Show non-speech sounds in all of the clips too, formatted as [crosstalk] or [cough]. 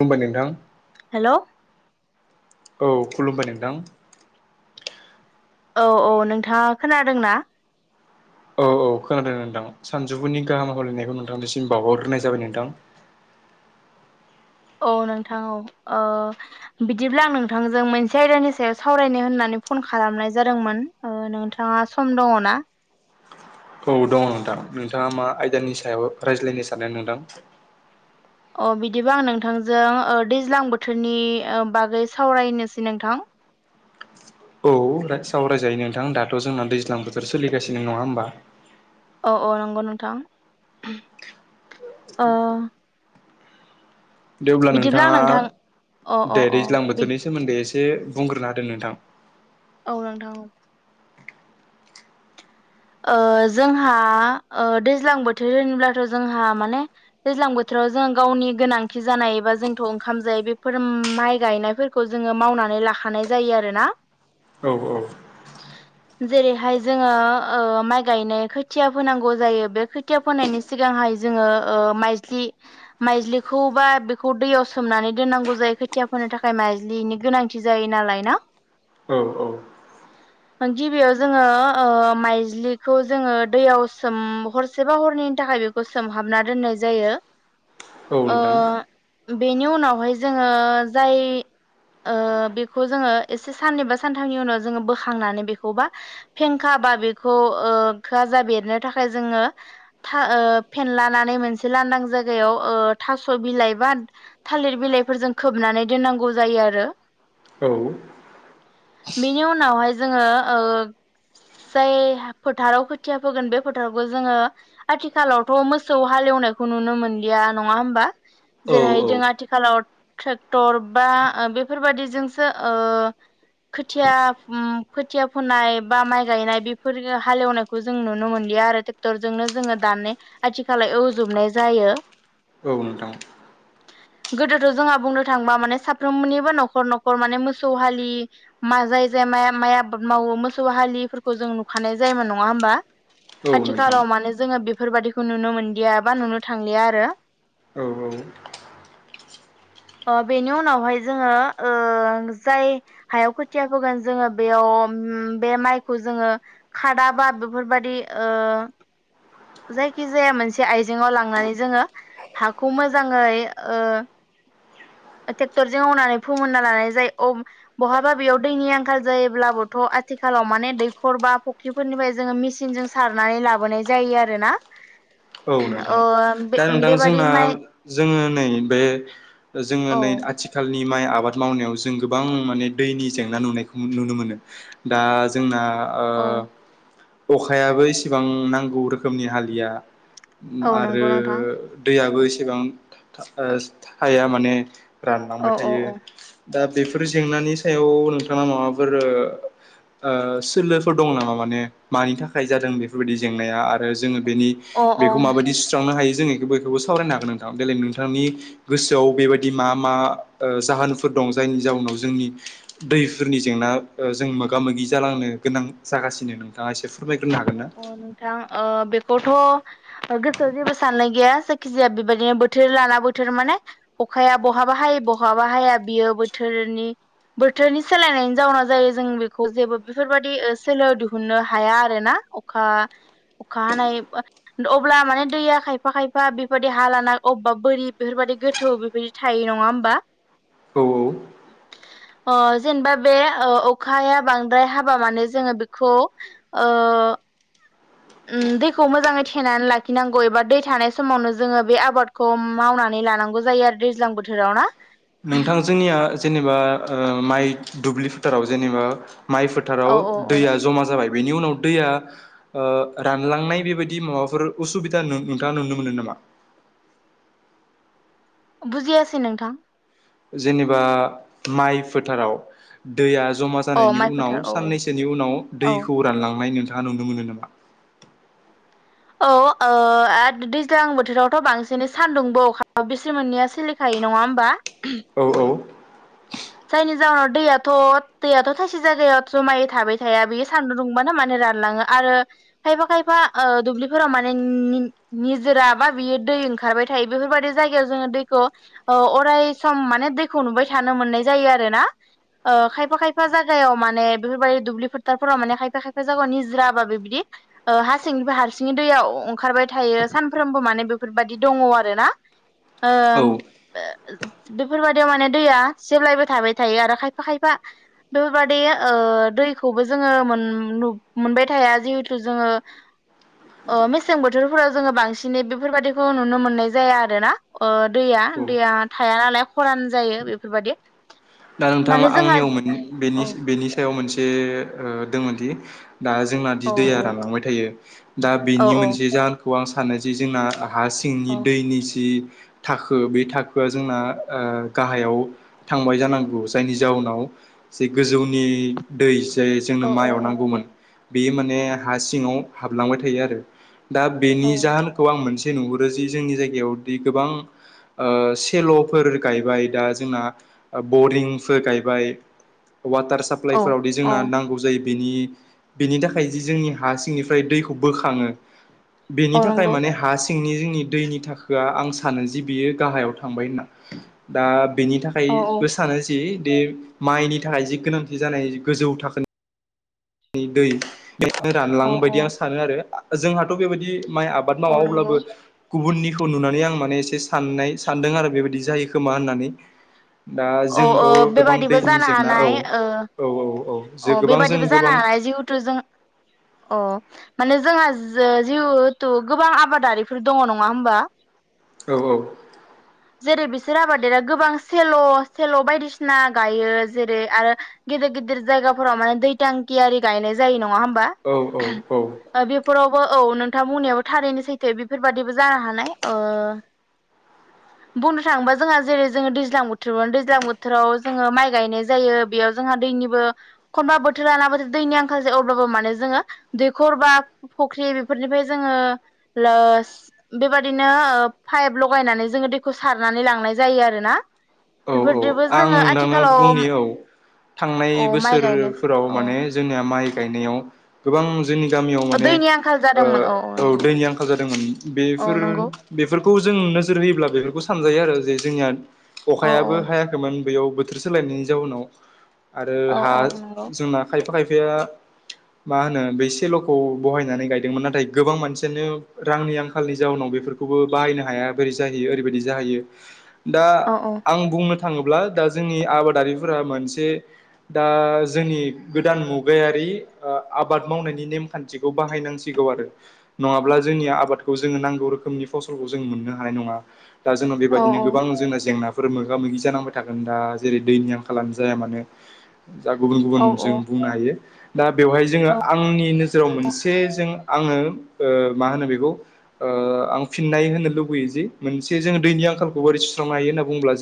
बुंबाय नोंथां हेलौ औ खुलुमबाय नोंथां औ औ नोंथाङा खोनादोंना? औ औ खोनादों नोंथां सानजौफुनि गाहाम हामलायनायखौ नोंथांनिसिम बावहरग्रोनाय जाबाय नोंथां [inaudible] औ नोंथां औ ओ बिदिब्ला आं नोंथांजों मोनसे आयदानि सायाव सावरायनो होननानै फन खालामनाय जादोंमोन नोंथाङा सम दङ ना? औ दङ नोंथां। नोंथाङा मा आयदानि सायाव रायज्लायनो सानदों नोंथां। अ बिदिबा आं नोंथांजों दैज्लां बोथोरनि बागै सावरायनोसै नोंथां। औ सावराय जायो नोंथां। दाथ जोंना दैज्लां बोथोर सोलिगासिनो नङा होमबा। औ औ नंगौ नोंथां। दे अब्ला बिदिब्ला आं नोंथाङा नोंथां अ अ दे अ दैज्लां बि बोथोरनि सोमोन्दै एसे एसे बुंग्रोनो हादों नोंथां। औ नोंथां। ओ जोंहा दैज्लां बोथोर होन्लाथ जोंहा माने दैज्लां बोथोर जों गावनि गोनांथि जानाय एबा जोंथ ओंखाम जायो बेफोर माइ गायनायफोरखौ जोङो मावनानै लाखानाय जायो आरोना। औ औ। जेरैहाय जोङो ओ माइ गायनाय खोथिया फोनांगौ जायो बे खोथिया फोनायनि सिगांहाय जोङो ओ माइज्लि माइज्लिखौ बा बेखौ दैयाव सोमनानै दोननांगौ जायो। खोथिया फोनो थाखाय माइज्लिनि गोनांथि मिथि जायो नालाय ना? औ औ। गिबियाव जोङो ओ माइ बिजलिखौ जोङो दैयाव सोम हरसेबा हरनैनि थाखाय बेखौ सोमहाबना दोननाय जायो। औ ओ नोंथां बेनि उनावहाय जोङो जाय ओ बेखौ जोङो एसे साननैबा सानथामनि उनाव जोङो बोखांनानै बेखौबा फेंखा बा बे खो ओ जा बेरनो थाखाय जोङो फेनलानानै मोनसे लांदां जाय हायाव ओ थास बिलाइ बा थालिर बिलाइफोरजों खोबनानै दोननांगौ जायो आरो। औ। बेनि उनावहाय जोङो औ जाय फोथाराव खोथिया फोगोन बे फोथारावखौ जोङो आथिखालावथ मोसौ हालेवनायखौ नुनो मोन इण्डिया नङा होमबा औ औ जेरैहाय जों आथिखालाव ट्रेक्टर बा बेफोरबादिजोंसो ओ खोथिया ओम खोथिया फोननाय बा माइ गायनाय बे फोर हालेवनायखौ जों नुनो मोनलिया आरो ट्रेक्टरजोंनो जोङो दानो आथिखालाव एवजोबनाय जायो। ओ। ओ नोंथां। [inaudible] गोदोथ जोंहा बुंनो थांबा माने साफ्रोमनिबो नखर नखर माने मोसौ हालि माजाय जे माइ माइ आबाद मावो मोसौ हालिफोरखौ जों नुखानाय जायोमोन नङा होमबा? औ नोंथां आथिखालाव माने जोङो बेफोरबाददिखौ नुनो मोनदिया बा नुनो थांलिया आरो। औ औ। [inaudible] ओ बेनि उनावहाय जोङो ओ जाय हायाव खोथिया फोगोन जोङो बेयाव बे माइखौ जोङो खादाबा बेफोरबायदि ओ जायखि जाया मोनसे आइजेंव लांनानै जोङो हाखौ मोजाङै ओ [inaudible] ट्रेक्टरजों मावनानै फोमोनना लानाय जायो। बहाबा बेयाव दैनि आंखाल जायोब्लाबोथ आथिखाल आथिखालाव माने दैखर बा फख्रिफोरनिफ्राय जोङो मेचिनजों सारनानै लाबोनाय जायो आरोना। औ नोंथां ओ बे दा नोंथां बेबादि जोंना माइ जोङो नै बे जोङो औ नै आथिखालनि नि माइ आबाद मावनायाव जों गोबां माने दैनि जेंना नुनायखौ नुनो मोनो। दा जोंना अ। ओ अखायाबो इसेबां नांगौ रोखोमनि हालिया औ आरो नंगौ नोंथां दैयाबो एसेबां थाया माने औ रानलांबाय औ थायो औ दा बेफोर जेंनानि सायाव नोंथाङा माबाफोर। ओ सोलोफोर दं नामा माने मानि थाखाय जादों बेफोरबायदि जेंनाया आरो जोङो बेनि अ बेखौ अ माबायदि सुस्रांनो हायो जोङो बयखौबो सावरायनो हागोन नोंथां देलाय नोंथांनि गोसोआव बेबायदि मा मा ओ जाहोनफोर दं जा जायनि जाउनाव जोंनि दैफोरनि जेंना ओ जों मोगा मोगि जालांनो गोनां जागासिनो। नोंथाङा एसे फो अ अ नोंथां ओ बेफ बथ' ओ गोसोआव जेबो साननाय गैया जायखिजाया बेबायदिनो बोथोर लाना बोथोर माने अ अखाया बहाबा हायो बहाबा हाया बियो बोथोरनि बोथोरनि सोलायनायनि जाउनाव जायो जों बेखौ जेबो बेफोरबायदि ओ सोलो दिहुननो हाया आर आरोना अखा अखा हानाय अब्ला माने दैया खायफा खायफा बेबायदि हा लाना अबबा बोरि बेफोरबायादि गोथौ बेफोरबायदि थायो नङा होमबा औ औ [unintelligible] [inaudible] अ जेनेबा बे ओ अखाया बांद्राय हाबा माने जोङो बेखौ ओ उम दैखौ मोजाङै थेनानै लाखिनांगौ एबा दै थानाय समावनो जोङो बे आबादखौ मावनानै लानांगौ जायो। जायो आरो‌ दैज्लां बोथोराव ना नोंथां जोंनिया जेनेबा ओ माइ दुब्लि फोथाराव जेनेबा माइ औ फोथाराव औ औ दैया जमा जाबाय बेनि उनाव दैया ओ रानलांनाय बेबायदि माबाफोर उसुबिदा नोंथाङा नुनो मोनो नामा? [unintelligible] [inaudible] बुजियासै नोंथां। जेनेबा माइ फोथाराव दैया ज जमा औ जानायनि माइ फोथार उनाव औ साननैसोनि उनाव औ दैखौ रानलांनाय नु गा नुनो मोनो नामा? औ ओ आ दैज्लां बोथोरावथ' बांसिनै सान्दुंबो अखा बिसोरमोननैया सोलिखायो नङा होमबा औ औ जायनि जाहोनाव दैयाथ' दैयाथ' थाइसे जायगायाव जमायै थाबाय थाया बेयो सान्दुं दुंबानो मानो रानलाङो आरो खायफा खायफा ओ दुब्लिफोराव माने नि निजोरा बा बियो दै दै ओंखारबाय थायो बेफोरबायदि जायगायाव जोङो दैखौ ओ अराय सम माने दैखौ नुबाय थानो मोननाय जा जायो आरो ना ओ खायफा खायफा जायागायाव माने बेफोरबायदि दुब्लि फोथारफोराव माने खायफा खायफा जायगायाव निजोरा बा बेबदि ओ हासिंनिफ्राय हारसिंयै दैयाव अंखारबाय थायो सानफ्रोमबो माने बेफोरबायदि दङ आरो ना ओम औ बेफोरबायदियाव माने दैया जेब्लायबो थाबाय थायो आरो खायफा खायफा बेफोरबायदि ओ दैखौबो जोङो मोन मोनबाय थाया जिहेथु जोङो ओ मेसें बोथोरफोराव जोङो बांसिनै बेफोरबायदिखौ नुनो मोननाय जाया आरोना ओ दैया आं औ दैया थाया नालाय खरान जायो बेफोरबायदि। दा नोंथाङा आंनियाव मोनि औ बेनिस बेनि सायाव मोनसे ओ दोंमोनदि दा जोंना दि औ दैया रानखांबाय थायो दा औ बेनि मोनसे जाहोनखौ आं सानो जि जोंना हा सिंनि औ दैनि जि थाखो बे थाखोआ जोंना ओ गाहायाव थांबाय जानांगौ गौ जायनि जाउनाव जे गोजौनि दै जे जोंनो औ माइआव नांगौमोन बेयो माने हा सिङाव हाबलांबाय थायो आरो दा औ बेनि जाहोनखौ आं मोनसे जे नुहुरोजि जोंनि जायगायाव दि गोबां ओ सेल'फोर गायबाय दा जोंना बरिंफोर गायबाय वाटार औ साप्लाइफोरावदि औ जोंना नांगौ जायो बेनि बेनि थाखाय जि जोंनि हा सिंनिफ्राय दैखौ बोखाङो बेनि औ थाखाय नंगौ माने हासि सिंनि जोंनि दैनि थाखोआ आं सानो जि बियो गाहायाव थांबाय होनना दा बेनि औ औ थाखायबो सानो जि द माइनि थाखाय जि गोनांथि जानाय गोजौ थाखोनि दै रानलां औ औ बायदि आं सानो आरो जोंहाथ' बेबायदि माइ आबाद औ मावा नंगौ अब्लाबो गुबुननि खौ नुनानै आं माने एसे साननाय सानदों आरो बेबायदि जायो खोमा होननानै दा औ ओ जोंथ' गोबां बेबादिबो दैनि जानो जेंना औ हानाय ओ औ औ औ जे गोबां जों गोबां थ'जों अ माने जोंहा जिहेथु गोबां आबादारिफोर दङ नङा होमबा औ औ जेरै बिसोर आबादेरा गोबां सेल'स सेल' बायदिसिना गायो जेरै आरो गिदिर गिदिर जायगाफोराव माने दैथांखियारि गायनाय जायो नङा होमबा औ औ औ बेफोरावबो औ नों खोथा बुंनायाबो थारैनो सैथो बेफोरबाददिबो जानो हानाय ओ बुंनो थाङोबा जोंहा जेरै जोङो दैज्लां बोथोराव दै दैज्लां बोथोराव जोङो माइ गायनाय जायो बेयाव जोंहा दैनिबो एखनबा बोथोर लानाबो दैनि आंखाल जायो ‌ अब्लाबो माने जोङो दैखर बा फुख्रि बेफोरनिफ्राय जोङो लोस बेबायदिनो पाइप लगायनानै जोङो दैखौ सारनानै लांनाय जायो आरोना औ औ बेफोरजोंबो आं जोङो नोंथांनो आथिखालाव बुंनि औ थांनाय औ माइ गायनो बोसोरफोराव औ माने जोंनिया माइ गायनायाव गोबां जोंनि गामियाव माने दैनि आंखाल ओ जादोंमोन औ नंगौ दैनि आंखाल जादोंमोन औ बेफोर नंगौ बेफोरखौ जों नोजोर होयोब्ला बेफोरखौ सानजायो आरो जे जोंनिया औ औ अखायाबो हायाखैमोन बेयाव बोथोर सोलायनायनि जाउनाव आरो औ हा औ नंगौ जोंना खायफा खायफाया मा होनो बे सेल'खौ बहायनानै गायदोंमोन नाथाय गोबां मानसियानो रांनि आंखालनि जाउनाव बेफोरखौबो बाहायनो हाया बोरै जाहैयो ओरैबायदि जाहैयो दा औ औ आं बुंनो थाङोब्ला दा जोंनि आबादारिफोरा मोनसे दा जोंनि गोदान मुगा गायारि आबाद मावनायनि नेम खान्थिखौ बाहायनांसिगौ आरो नङाब्ला जोंनि आबादखौ जोङो नांगौ रोखोमनि फसलखौ जों मननो हानाय नङा दा जोङो बे औ बादिनो गोबां जोंना फोर मोगा मोगि जानांबाय थागोन दा जेरै दैनि आंखालानो जाया मानो जा गुबुन गुबुन औ जों बुंनो हायो दा बेवहाय जोङो आंनि नोजोराव मोनसे जों आङो ओ मा होनो बेखौ आं फिननाय होनो लुबैयो जे मोनसे जों दैनि आंखालखौ बै सुस्रांनो हायो होनना बुब्ला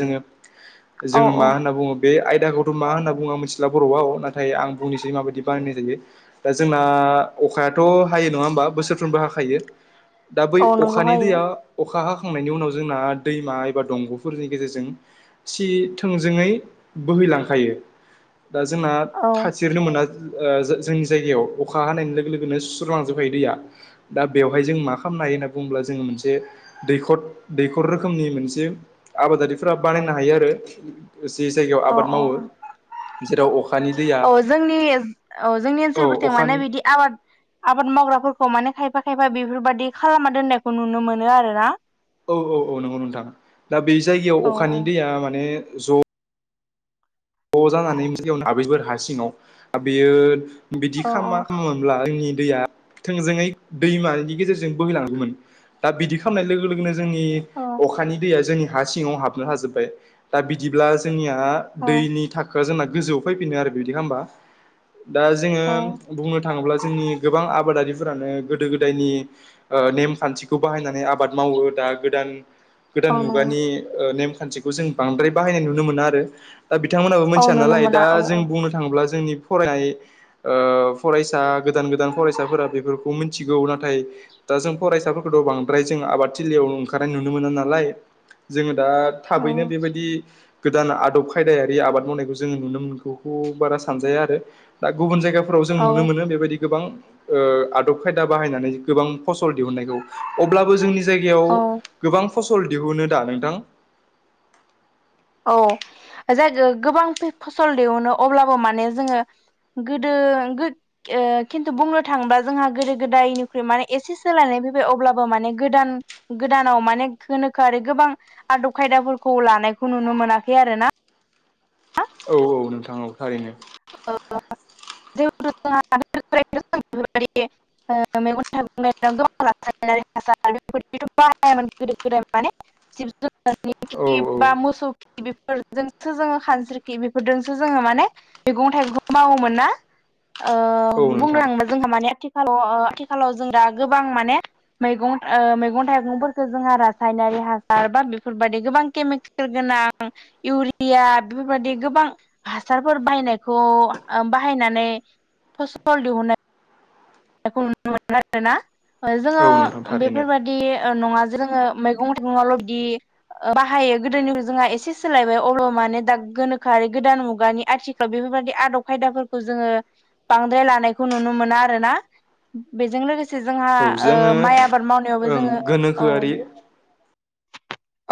औ जोङो मा औ होनना बुङो बे आयदाखौथ' मा होनना बुङो मिथिला बर'आव नाथाय आं बुंनोसै माबायदि बानायनाय जायो दा जोंना आ अखायाथ' हायो नङा होमबा बोसोरफ्रोमबो हाखायो दा बै औ नंगौ अखानि हायो दैया अखा हाखांनायनि उनाव जोंना दैमा एबा दंग' फोरनि गेजेरजों सि थोंजोङै बोहैलांखायो दा जोंना औ थथिरनो मोना ओ जोंनि जायगायाव अखा हानायनि लोगो लोगोनो सुस्रलांजोबखायो दैया दा बेवहाय जों मा खालामनो हाय- यो होनना बुंङोब्ला जोङो मोनसे दैखर दैखर रोखोमनि मोनसे आबादारिफोरा बानायनो हायो आरो जे जायगायाव औ आबाद औ मावो जेराव अखानि दैया औ जोंनि औ जोंनि औ ओनसोलफोरथि माने अखानि बिदि आबाद आबाद मावग्राफोरखौ माने खायफा खायफा बेफोरबादि खालामना दोननायखौ नुनो मोनो आरोना औ औ औ नंगौ नोंथाङा दा बै जायगायाव औ अखानि दैया माने ज' ज' जानानै मोनसे गेवनो आबै बोर हा सिङाव बेयो बिदि औ खालामा खालामोनब्ला जोंनि दैआ थोंजोङै दैमनि गेजेरजों बोहैलांगौमोन दा बिदि खालामनाय लोगो लोगोनो जोंनि औ अखानि दैया जोंनि हा सिङाव हाबनो हाजोबबाय दा बिदिब्ला जोंनिया औ दैनि थाखोआ जोंना गोजौआव फैफिदों आरो बिदि खामबा दा जोङो औ बुंनो थाङोब्ला जोंनि गोबां आबादारि फोरानो गोदो गोदायनि नेमखान्थिखौ बाहायनानै आबाद मावो दा गोदान गोदान औ नंगौ मुगानि ओ नेमखान्थिखौ जों बांद्राय बाहायनाय नुनो मोना आरो दा बिथांमोनहाबो औ मिथिया नुनो नालाय मोना दा औ जों बुंनो थाङोब्ला जोंनि फरायनाय ओ फरायसा गोदान गोदान फरायसाफोरा बेफोरखौ मिथिगौ नाथाय दा जों फरायसाफोरखौथ' बांद्राय जों आबाद थिलियाव ओंखारनाय नुनो मोना नालाय जोङो दा औ थाबैनो बेबायदि गोदान आदब खायदायारि आबाद मावनायखौ जोङो नुनो मोनखौ बारा सानजाया आरो दा गुबुन जायगाफोराव जों नुनो औ मोनो बेबायदि गोबां ओ आदब खायदा बाहायनानै गोबां फसल दिहुननायखौ अब्लाबो जोंनि जायगायाव औ गोबां फसल दिहुनो दा नोंथां औ जाय गोबां फसल दिहुनो अब्लाबो माने जोङो गोदो खिन्थु बुंनो थाङोबा जोंहा गोदो गोदायनिख्रुइ माने एसे सोलायनाय फैबाय अब्लाबो माने गोदान गोदानाव माने गोनोखो आरो गोबां आदब खायदाफोरखौ लानायखौ बेखौ नुनो मोनाखै आरोना औ औ नोंथाङाव थारैनो। [unintelligible] [unintelligible] औ [unintelligible] फोर जोंसो जोङो खानस्रिखि बेफोरजोंसो जोङो माने मैगं थाइगंखौ मावोमोन ना? ओ औ औ बुंनो नोंथां थांबा जोंहा माने आथि खालाव ओ आथिखालाव जों दा गोबां माने मैगं ओ मैगं थाइगंफोरखौ जोंहा रासायनारि हासार बा बेफोरबायदि गोबां खेमिखेल गोनां इउरिया बेफोरबायदि गोबां हासारफोर बाहायनायखौ बाहायनानै फसल दिहुननाय नुनो मोनो आरोना। जोङो औ नोंथां थारैनो बेफोरबायदि ओ नङा जोङो मैगं थाइगंल बिदि बाहायो गोदोनि जोंहा एसे सोलायबाय अब्ला' माने दा गोनोखोआरि गोदान मुगानि आथिखालाव बे फोरबायादि आदब खायदाफोरखौ जोङो बांद्राय लानायखौ नुनो मोना आरो ना। बेजों लोगो से जोंहा औ जोङो ओ माइ आबाद मावनायावबो ओं जोङो औ। गोनोखोआरि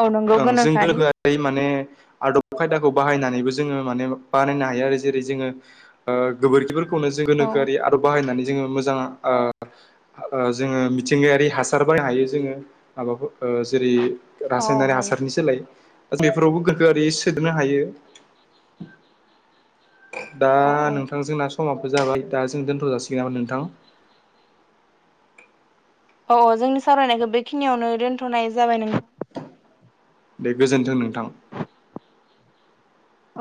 औ नंगौ ओं जों गोनोखोआरि गोनोखोआरियै माने आदब खायदाखौ बाहायनानैबो जोङो माने बानायनो हायो आरो जेरै जों ओ गोबोरखिफोरखौनो जों औ गोनोखोआरि बाहायनानै जों मोजां ओ जों मिथिंगायारि हासार बाहायनो हायो जोङो मा जेरै औ रासायनारि हायो हासारनि सोलाय बेफोरावबो गोनोखोआरि सोदेरनो हायो दा औ औ नोंथांजों नास समाबो जाबाय दा जों दोनथ' जासिगोन नामा नोंथां औ औ जोंनि सावरायनायखौ बेखिनियावनो दोनथ'नाय जाबाय नों बे गोजोन्थों नोंथां।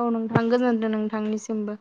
औ नोंथां गोजोनदों नोंथांनिसिमबो।